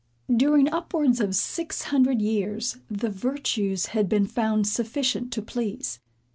During upwards of six hundred years, the virtues had been found sufficient to please.